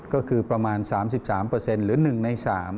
ก็คือประมาณ๓๓หรือ๑ใน๓